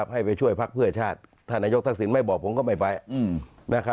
ให้ไปช่วยพักเพื่อชาติถ้านายกทักษิณไม่บอกผมก็ไม่ไป